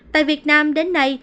tại việt nam đến nay